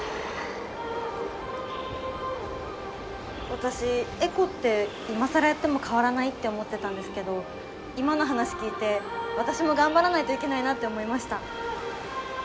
私エコって今更やっても変わらないって思ってたんですけど今の話聞いて私も頑張らないといけないなって思いました。